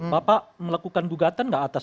bapak melakukan gugatan nggak atas